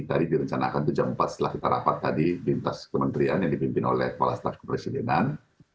tadi direncanakan itu jam empat setelah kita rapat tadi lintas kementerian yang dipimpin oleh kepala staf kepresidenan